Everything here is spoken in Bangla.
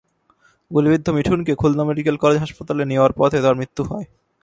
গুলিবিদ্ধ মিঠুনকে খুলনা মেডিকেল কলেজ হাসপাতালে নেওয়ার পথে তাঁর মৃত্যু হয়।